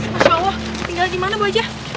masya allah ketinggalan dimana bu aja